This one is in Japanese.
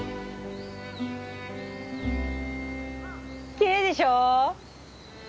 きれいでしょう。